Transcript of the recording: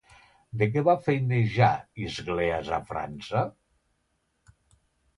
De què va feinejar Isgleas a França?